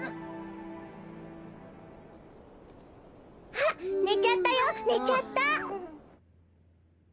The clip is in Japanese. あっねちゃったよねちゃった。